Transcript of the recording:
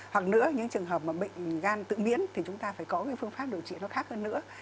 hoặc nữa những trường hợp mà bệnh gan tự biến thì chúng ta phải có cái phương pháp điều trị nó khác hơn nữa